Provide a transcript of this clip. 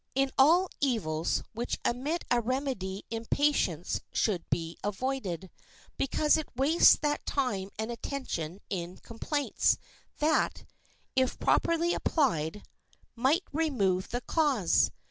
In all evils which admit a remedy impatience should be avoided, because it wastes that time and attention in complaints that, if properly applied, might remove the cause.